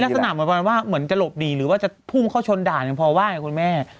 ถ้ามีลักษณะเหมือนกับว่าเหมือนจะหลบดีหรือว่าจะพุ่มเข้าชนด่านอย่างพอว่าไงคุณแม่